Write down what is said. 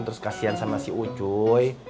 terus kasian sama si ucoi